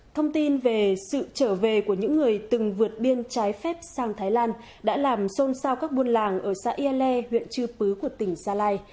thông tin về sự trở về của những người từng vượt biên trái phép sang thái lan đã làm xôn xao các buôn làng ở xã yale huyện chư pứ của tỉnh gia lai